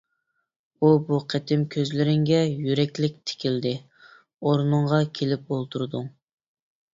ئۇ بۇ قېتىم كۆزلىرىڭگە يۈرەكلىك تىكىلدى، ئورنۇڭغا كېلىپ ئولتۇردۇڭ.